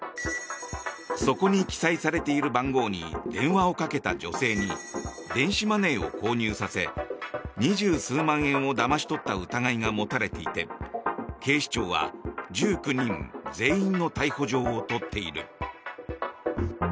そこに記載されている番号に電話をかけた女性に電子マネーを購入させ２０数万円をだまし取った疑いが持たれていて警視庁は１９人全員の逮捕状を取っている。